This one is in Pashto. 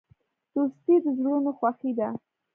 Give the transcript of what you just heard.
دوستي د زړونو خوښي ده.